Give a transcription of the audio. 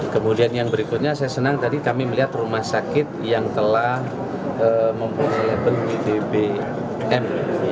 kemudian yang berikutnya saya senang tadi kami melihat rumah sakit yang telah memperoleh bentuk bbm